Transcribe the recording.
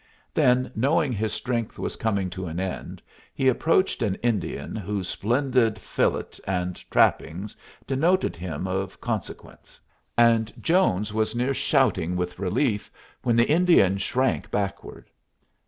Then, knowing his strength was coming to an end, he approached an Indian whose splendid fillet and trappings denoted him of consequence; and Jones was near shouting with relief when the Indian shrank backward.